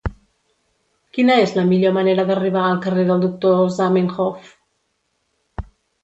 Quina és la millor manera d'arribar al carrer del Doctor Zamenhof?